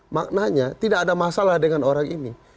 maknanya tidak ada masalah dengan orang ini